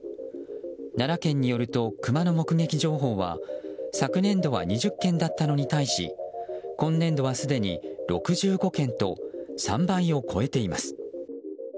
奈良県によるとクマの目撃情報は昨年度は２０件だったのに対し今年度はすでに６５件と３倍を超えています。